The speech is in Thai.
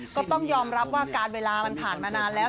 ก็ต้องยอมรับว่าการเวลามันผ่านมานานแล้ว